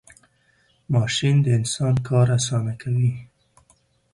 ماشین د انسان کار آسانه کوي .